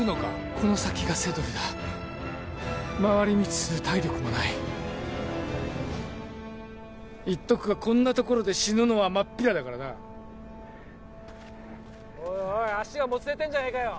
この先がセドルだ回り道する体力もない言っとくがこんなところで死ぬのはまっぴらだからなおいおい足がもつれてんじゃねえかよ